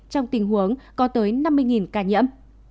trong tình huống có tới năm mươi ca nhiễm